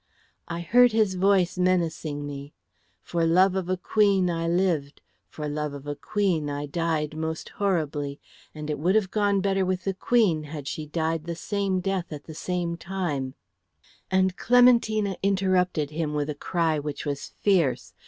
"I heard his voice menacing me. 'For love of a queen I lived. For love of a queen I died most horribly; and it would have gone better with the queen had she died the same death at the same time '" And Clementina interrupted him with a cry which was fierce.